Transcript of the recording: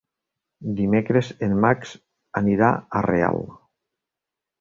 Dimecres en Max anirà a Real.